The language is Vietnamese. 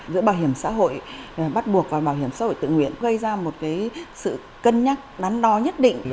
giữa bảo hiểm xã hội bắt buộc và bảo hiểm xã hội tự nguyện gây ra một sự cân nhắc đắn đo nhất định